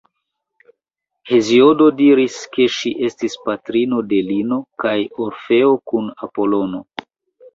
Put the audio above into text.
Heziodo diris, ke ŝi estis patrino de Lino kaj Orfeo kun Apolono.